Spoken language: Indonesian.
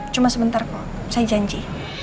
cuma sebentar kok saya janji